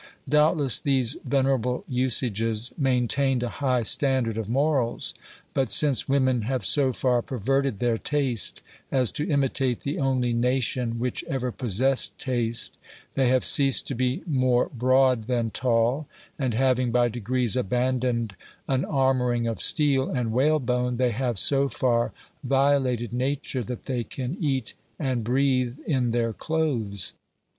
Doubtless these venerable usages maintained a high standard of morals, but since women have so far perverted their taste as to imitate the only nation which ever possessed taste, they have ceased to be more broad than tall, and having by degrees abandoned an armouring of steel and whale bone, they have so far violated Nature that they can eat and breathe in their clothes.